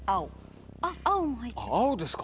青ですか。